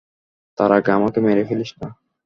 তার আগে আমাকে মেরে ফেলিস না।